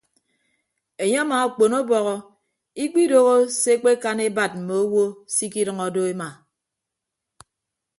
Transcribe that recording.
Enye amaakpon ọbọhọ ikpidooho se ekpekan ebat mme owo se ikidʌñọ do ema.